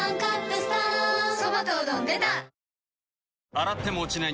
洗っても落ちない